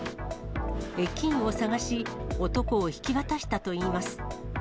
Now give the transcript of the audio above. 駅員を探し、男を引き渡したといいます。